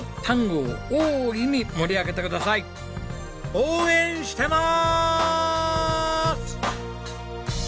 応援してます！